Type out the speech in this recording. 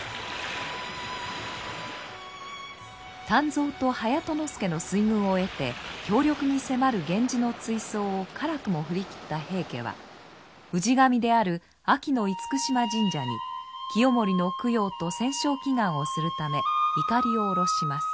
湛増と隼人助の水軍を得て強力に迫る源氏の追走を辛くも振り切った平家は氏神である安芸の厳島神社に清盛の供養と戦勝祈願をするためいかりを下ろします。